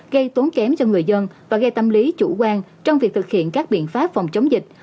gây tốn kém cho người dân và gây tâm lý chủ quan trong việc thực hiện các biện pháp phòng chống dịch